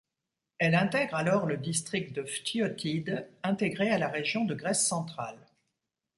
Elle intègre alors le district de Phthiotide, intégré à la région de Grèce centrale.